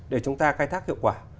để chúng ta khai thác hiệu quả